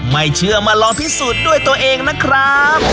ไม่เชื่อมาลองพิสูจน์ด้วยตัวเองนะครับ